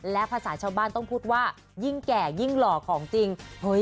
และภาษาชาวบ้านต้องพูดว่ายิ่งแก่ยิ่งหล่อของจริง